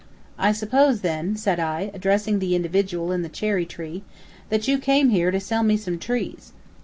"I suppose, then," said I, addressing the individual in the cherry tree, "that you came here to sell me some trees."